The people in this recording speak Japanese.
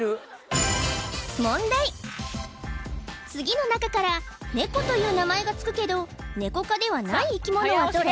次の中からネコという名前がつくけどネコ科ではない生き物はどれ？